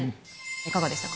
いかがでしたか？